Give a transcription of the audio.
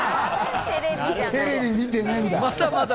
テレビ見てねえんだ。